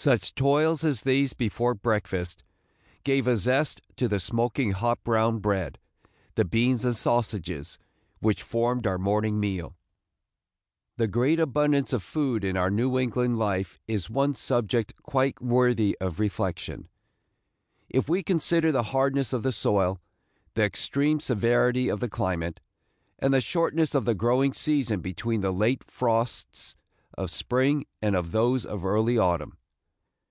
Such toils as these before breakfast gave a zest to the smoking hot brown bread, the beans and sausages, which formed our morning meal. The great abundance of food in our New England life is one subject quite worthy of reflection, if we consider the hardness of the soil, the extreme severity of the climate, and the shortness of the growing season between the late frosts of spring and those of early autumn.